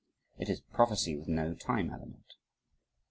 It is prophecy with no time element.